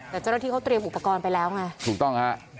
แต่เจ้าหน้าที่เขาเตรียมอุปกรณ์ไปแล้วไงถูกต้องฮะ